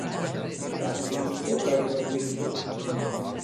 Li canti totes les virtuts.